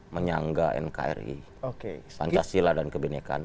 menyangga nkri pancasila dan kebenekaan